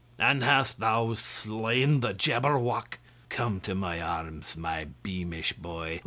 "And hast thou slain the Jabberwock? Come to my arms, my beamish boy!